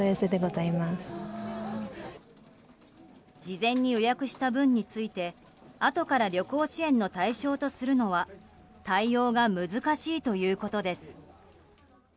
事前に予約した分についてあとから旅行支援の対象とするのは対応が難しいということです。